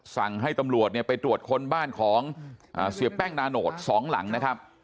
สั่งให้ตำรวจเนี่ยไปตรวจคนบ้านของเสียแป้งนาโนตสองหลังนะครับ